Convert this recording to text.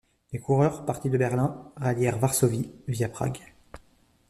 Les coureurs, partis de Berlin, rallièrent Varsovie, via Prague.